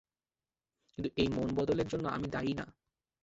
কিন্তু এই মন বদলের জন্য আমি দায়ী না।